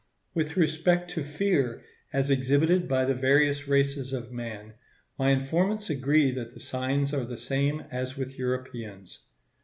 With respect to fear, as exhibited by the various races of man, my informants agree that the signs are the same as with Europeans.